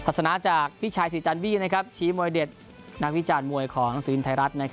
สนาจากพี่ชายศรีจันบี้ชี้มวยเด็ดนักวิจารณ์มวยของหนังสือพิมพ์ไทยรัฐ